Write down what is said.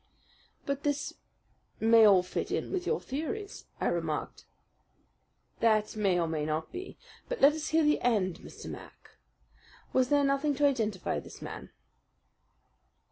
"But this may all fit in with your theories," I remarked. "That may or may not be. But let us hear the end, Mr. Mac. Was there nothing to identify this man?"